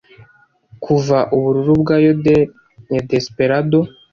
kuva “ubururu bwa yodel ya desperado”